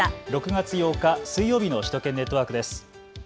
６月８日水曜日の首都圏ネットワークです。